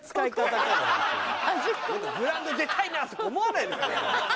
「グラウンド出たいな！」とか思わないのかね。